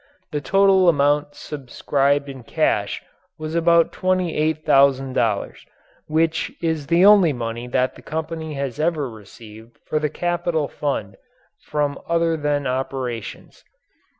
The total amount subscribed in cash was about twenty eight thousand dollars which is the only money that the company has ever received for the capital fund from other than operations.